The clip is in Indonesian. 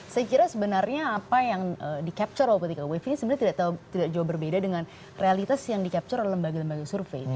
saya kira sebenarnya apa yang di capture opical wave ini sebenarnya tidak jauh berbeda dengan realitas yang di capture oleh lembaga lembaga survei